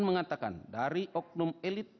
mengatakan dari oknum elit